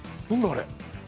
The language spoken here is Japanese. あれ。